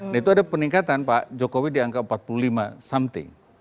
nah itu ada peningkatan pak jokowi di angka empat puluh lima something